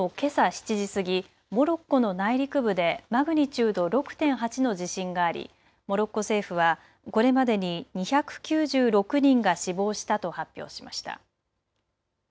７時過ぎ、モロッコの内陸部でマグニチュード６．８の地震があり、モロッコ政府はこれまでに２９６人が死亡したと発表しました。